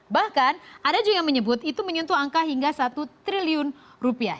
bahkan ada juga yang menyebut itu menyentuh angka hingga satu triliun rupiah